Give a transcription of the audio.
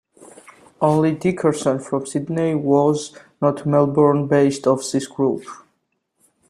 Only Dickerson, from Sydney, was not Melbourne-based of this group.